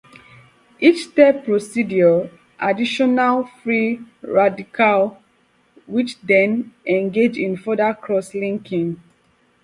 Each step produces additional free radicals, which then engage in further crosslinking.